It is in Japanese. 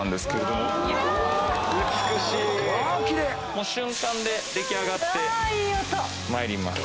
もう瞬間で出来上がってまいります。